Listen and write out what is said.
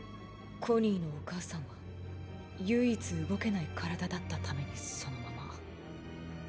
コニーのお母さんは唯一動けない体だったためにそのまま。